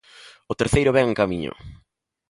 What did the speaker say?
O terceiro vén en camiño.